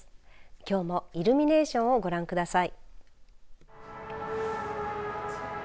きょうもイルミネーションをご覧ください。